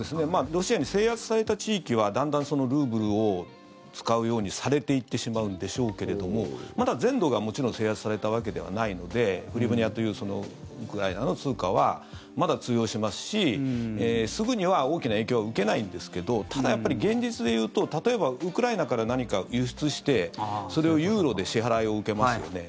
ロシアに制圧された地域はだんだんルーブルを使うようにされていってしまうんでしょうけれどもまだ、全土がもちろん制圧されたわけではないのでフリヴニャというウクライナの通貨はまだ通用しますし、すぐには大きな影響は受けないんですけどただ、やっぱり現実でいうと例えばウクライナから何か輸出してそれをユーロで支払いを受けますよね。